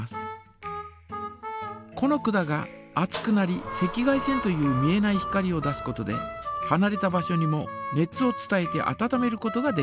この管が熱くなり赤外線という見えない光を出すことではなれた場所にも熱を伝えてあたためることができます。